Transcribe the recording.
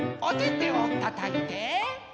おててをたたいて！